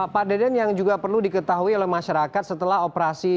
pak deden yang juga perlu diketahui oleh masyarakat setelah operasi